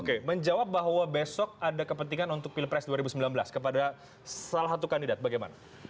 oke menjawab bahwa besok ada kepentingan untuk pilpres dua ribu sembilan belas kepada salah satu kandidat bagaimana